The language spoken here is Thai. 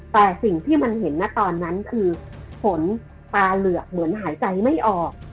แต่สิ่งที่มันเห็นนะตอนนั้นคือฝนตาเหลือกเหมือนหายใจไม่ออก